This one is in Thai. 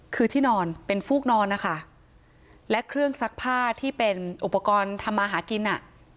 คือที่นอนเป็นฟูกนอนนะคะและเครื่องซักผ้าที่เป็นอุปกรณ์ทำมาหากินอ่ะ